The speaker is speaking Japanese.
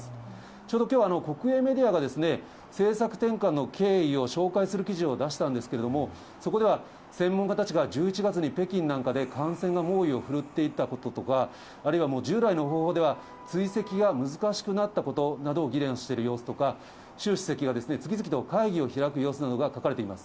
ちょうどきょう、国営メディアが政策転換の経緯を紹介する記事を出したんですけれども、そこでは、専門家たちが１１月に北京なんかで感染が猛威を振るっていたこととか、あるいはもう従来の方法では追跡が難しくなったことなどを議論している様子とか、習主席が次々と会議を開く様子などが書かれています。